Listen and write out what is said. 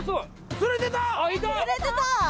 釣れてた！